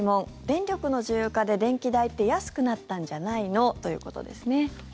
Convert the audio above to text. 電力の自由化で電気代って安くなったんじゃないの？ということですね。